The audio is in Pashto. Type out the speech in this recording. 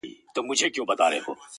وجدان او وېره ورسره جنګېږي تل,